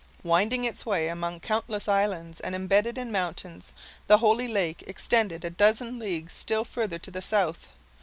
Winding its way among countless islands, and imbedded in mountains, the "holy lake" extended a dozen leagues still further to the south.